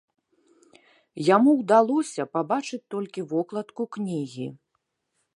Яму ўдалося пабачыць толькі вокладку кнігі.